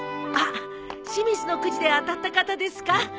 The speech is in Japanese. あっ清水のくじで当たった方ですか？